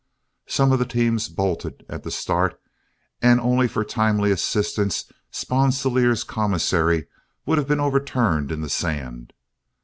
Some of the teams bolted at the start, and only for timely assistance Sponsilier's commissary would have been overturned in the sand.